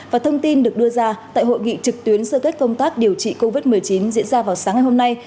và thông tin được đưa ra tại hội nghị trực tuyến sơ kết công tác điều trị covid một mươi chín diễn ra vào sáng ngày hôm nay